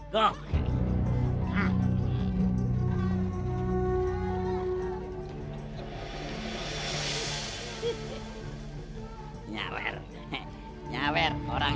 bapak bayar tumbang